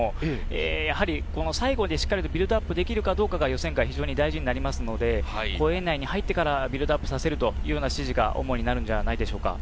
やはり最後でビルドアップできるかが予選会は非常に大事になりますので、公園内に入ってからビルドアップさせるというような指示が主になるんじゃないでしょうか。